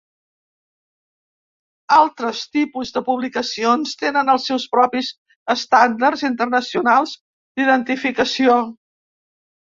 Altres tipus de publicacions tenen els seus propis estàndards internacionals d'identificació.